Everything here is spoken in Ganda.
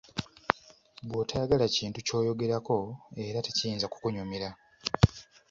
Bw'otayagala kintu ky'oyogerako era tekiyinza kukunyumira.